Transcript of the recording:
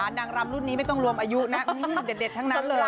นางรำรุ่นนี้ไม่ต้องรวมอายุนะเด็ดทั้งนั้นเลย